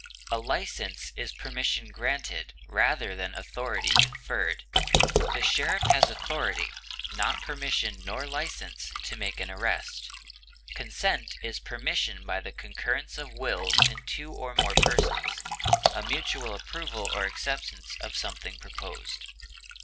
A license is permission granted rather than authority conferred; the sheriff has authority (not permission nor license) to make an arrest. Consent is permission by the concurrence of wills in two or more persons, a mutual approval or acceptance of something proposed.